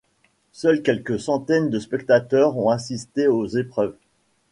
Seuls quelques centaines de spectateurs ont assisté aux épreuves.